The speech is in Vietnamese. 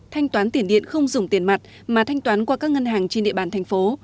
thanh toán tiền điện không dùng tiền mặt mà thanh toán qua các ngân hàng trên địa bàn thành phố